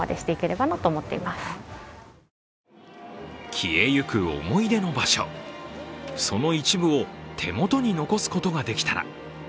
消えゆく思い出の場所、その一部を手元に残すことができたら。